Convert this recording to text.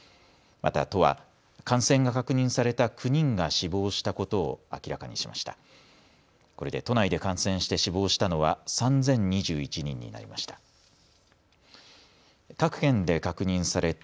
また都は感染が確認された９人が死亡したことを明らかにしました。